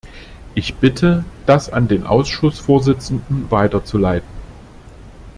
Ich bitte das an den Ausschussvorsitzenden weiterzuleiten.